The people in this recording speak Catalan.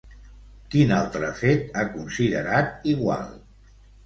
Quin altre fet ha considerat igual?